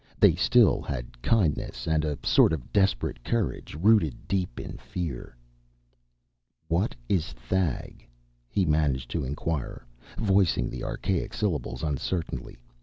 They still had kindness and a sort of desperate courage rooted deep in fear. "What is Thag?" he managed to inquire, voicing the archaic syllables uncertainly.